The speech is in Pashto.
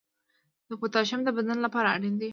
د پوتاشیم د بدن لپاره اړین دی.